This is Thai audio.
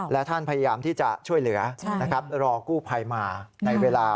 และท่านพยายามที่จะช่วยเหลือรอกู้ภัยมา